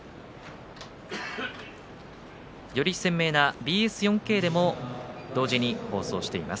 ＢＳ４Ｋでも同時に放送しています。